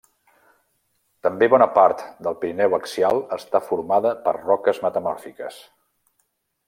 També bona part del Pirineu axial està formada per roques metamòrfiques.